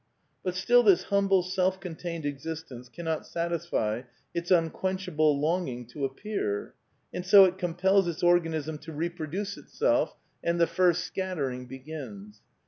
But still this humble self contained existence cannot sat isfy its unquenchable longing to appear. And so, it compels its organism to reproduce itself, and PAN PSYCHISM OF SAMUEL BUTLER 31 the first Scattering begins.